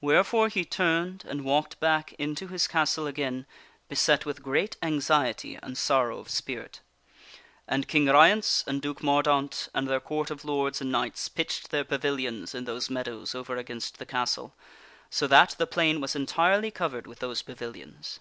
Wherefore he turned and walked back into his castle again, beset with great anxiety and sorrow of spirit. And King Ryence, and Duke Mor daunt and their Court of lords and knights pitched their pavilions in those meadows over against the castle, so that the plain was entirely covered with those pavilions.